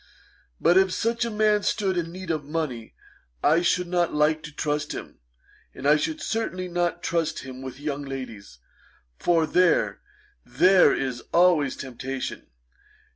But if such a man stood in need of money, I should not like to trust him; and I should certainly not trust him with young ladies, for there there is always temptation.